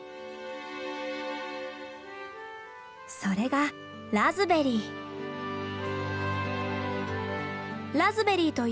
それがラズベリー。